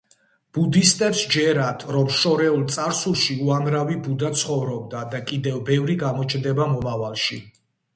ბუდისტებს ჯერათ, რომ შორეულ წარსულში უამრავი ბუდა ცხოვრობდა და კიდევ ბევრი გამოჩნდება მომავალში.